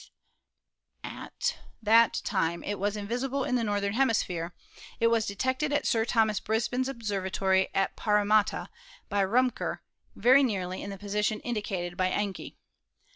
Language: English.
COMETS, METEORS AND METEORITES 237 that time it was invisible in the northern hemisphere, it was detected at Sir Thomas Brisbane's observatory at Paramatta by Riimker very nearly in the position indi cated by Encke.